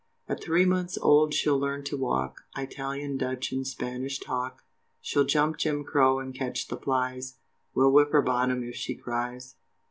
At three months old she'll learn to walk, Italian, Dutch, and Spanish, talk, She'll jump Jim Crow and catch the flies, We'll whip her bottom if she cries.